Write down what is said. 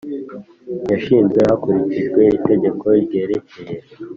yashinzwe hakurikijwe Itegeko ryerekeye